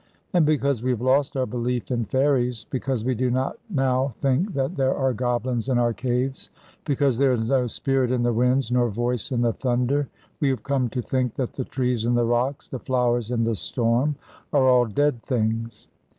And because we have lost our belief in fairies, because we do not now think that there are goblins in our caves, because there is no spirit in the winds nor voice in the thunder, we have come to think that the trees and the rocks, the flowers and the storm, are all dead things.